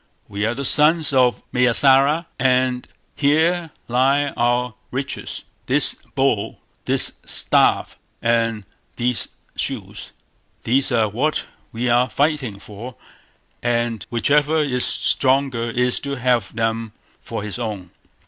"We are the sons of Mayâsara, and here lie our riches; this bowl, this staff, and these shoes; these are what we are fighting for, and whichever is stronger is to have them for his own."